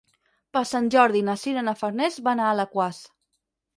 Per Sant Jordi na Sira i na Farners van a Alaquàs.